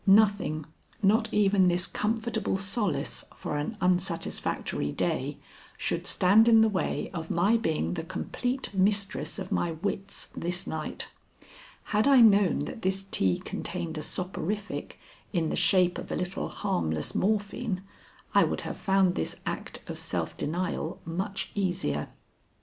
Nothing, not even this comfortable solace for an unsatisfactory day, should stand in the way of my being the complete mistress of my wits this night. Had I known that this tea contained a soporific in the shape of a little harmless morphine, I would have found this act of self denial much easier.